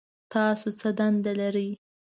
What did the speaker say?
تاسو څه دنده لرئ؟